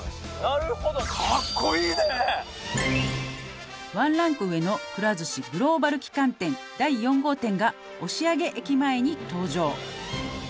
なるほど「ワンランク上のくら寿司グローバル旗艦店」「第４号店が押上駅前に登場」